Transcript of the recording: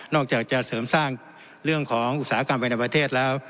อกจากจะเสริมสร้างเรื่องของอุตสาหกรรมภายในประเทศแล้ว